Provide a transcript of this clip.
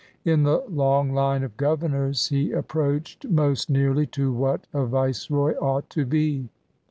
In the long line of governors he approached most nearly to what a Viceroy ought to be.